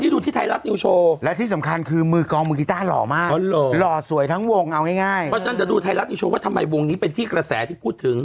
ดูไทยรัฐยูชัวร์ว่าทำไมวงนี้เป็นที่กระแสที่พูดถึง